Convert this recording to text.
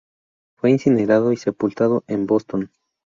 Fue incinerado y sepultado en Boston.